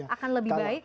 akan lebih baik